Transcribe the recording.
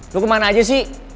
lo kemana aja sih